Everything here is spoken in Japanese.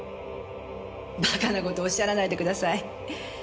バカな事おっしゃらないでください。